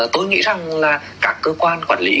tôi nghĩ rằng là các cơ quan quản lý